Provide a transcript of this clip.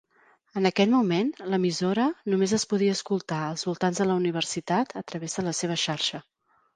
En aquell moment, l'emissora només es podia escoltar als voltants de la universitat a través de la seva xarxa.